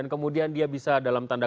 dan kemudian dia bisa dalam tanda